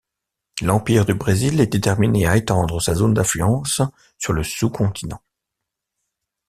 L'Empire du Brésil est déterminé à étendre sa zone d'influence sur le sous-continent.